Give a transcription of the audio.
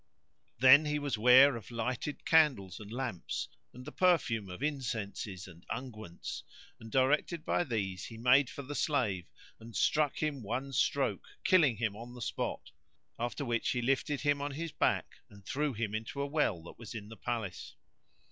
Then was he ware of lighted candles and lamps, and the perfume of incenses and unguents, and directed by these, he made for the slave and struck him one stroke killing him on the spot: after which he lifted him on his back and threw him into a well that was in the palace.